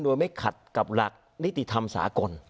โดยไม่ขัดกับหลักนิติธรรมสากล